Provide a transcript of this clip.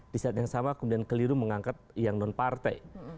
di saat yang sama kemudian keliru mengangkat yang non partai